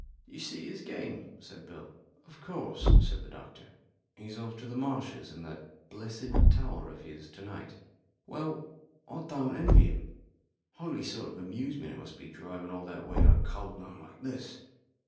"See his game?" said Bill. "Of course," said the doctor. "He's off to the marshes and that blessed tower of his to night." "Well, I don't envy him holy sort of amusement it must be driving all that way on a cold night like this.